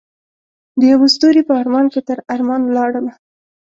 دیوه ستوری په ارمان کې تر ارمان ولاړمه